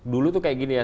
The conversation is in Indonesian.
dulu itu seperti ini ya